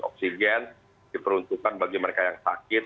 oksigen diperuntukkan bagi mereka yang sakit